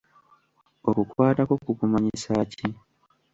Okukwata kwo kukumanyisa ki?